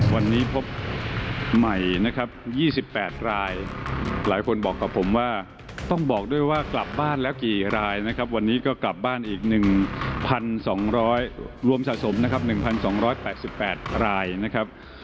วันนี้พบใหม่นะครับ๒๘รายหลายคนบอกกับผมว่าต้องบอกด้วยว่ากลับบ้านแล้วกี่รายนะครับวันนี้ก็กลับบ้านอีก๑๒๐๐รวมสะสมนะครับ๑๒๘๘รายนะครับ